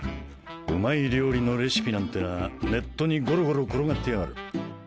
うまい料理のレシピなんてのはネットにゴロゴロ転がってやがる。